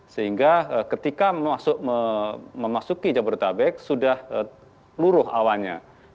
sehingga ketika memasuki jabodetabek sudah luruh awannya